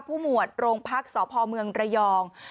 หมวดโรงพักสพเมืองระยอง